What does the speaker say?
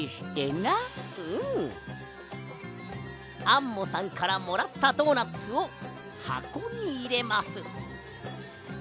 アンモさんからもらったドーナツをはこにいれます。